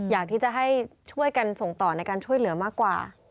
อยากที่จะให้ช่วยกันส่งต่อในการช่วยเหลือมากกว่า